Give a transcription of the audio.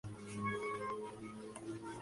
Un marinero salió a cubierta y lo mató.